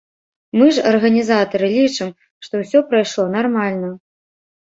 Мы ж, арганізатары, лічым, што ўсё прайшло нармальна.